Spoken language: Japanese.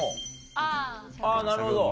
あぁなるほど。